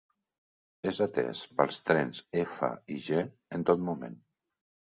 És atès pels trens F i G en tot moment.